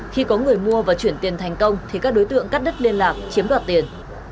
khi có người mua và chuyển tiền thành công thì các đối tượng cắt đứt liên lạc chiếm đoạt tiền